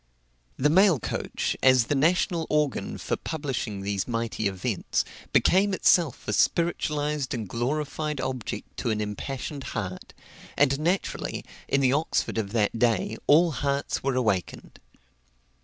The mail coach, as the national organ for publishing these mighty events, became itself a spiritualized and glorified object to an impassioned heart; and naturally, in the Oxford of that day, all hearts were awakened.